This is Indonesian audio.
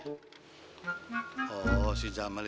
oh si jamal itu memang orang yang begitu ji